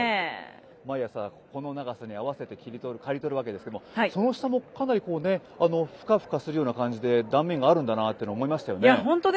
毎朝この長さに合わせて刈り取るわけですがその下もかなりふかふかするような感じで断面があるんだなと思いましたよね。